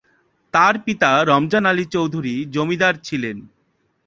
তার পিতা রমজান আলী চৌধুরী জমিদার ছিলেন।